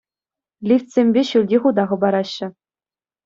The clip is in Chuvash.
Лифтсемпе ҫӳлти хута хӑпараҫҫӗ.